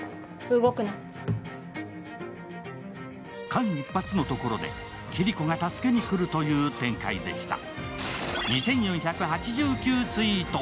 間一髪のところでキリコが助けに来るという展開でした。